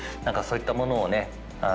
そういったものをね